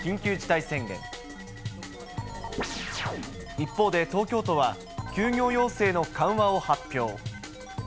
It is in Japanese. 一方で東京都は、休業要請の緩和を発表。